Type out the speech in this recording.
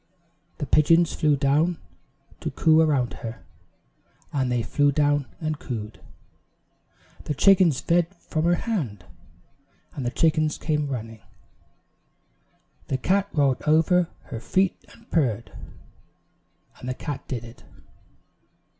"The pigeons flew down to coo around her " And they flew down and cooed. "The chickens fed from her hand " And the chickens came running. "The cat rolled over her feet and purred " And the cat did it.